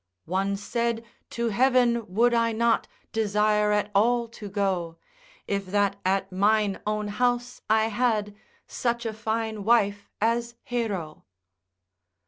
One said, to heaven would I not desire at all to go, If that at mine own house I had such a fine wife as Hero.